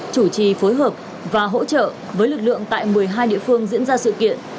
chủ trì phối hợp và hỗ trợ với lực lượng tại một mươi hai địa phương diễn ra sự kiện